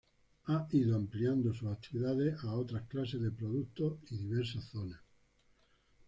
Ha ido ampliando sus actividades a otras clases de productos y diversas zonas.